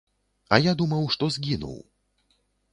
А я думаў, што згінуў.